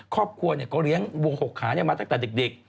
ครอบครัวก็เลี้ยงวัว๖ขามาตั้งแต่เด็ก